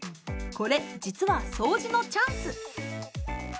これ実は掃除のチャンス！